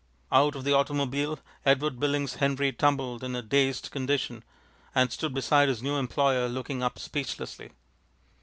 Out of the automobile Edward Billings Henry tumbled in a dazed condition, and stood beside his new employer, looking up speechlessly.